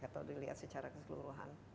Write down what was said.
atau dilihat secara keseluruhan